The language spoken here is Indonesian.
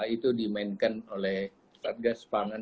itu dimainkan oleh satgas pangan